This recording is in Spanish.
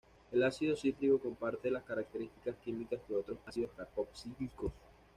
El ácido cítrico comparte las características químicas de otros ácidos carboxílicos.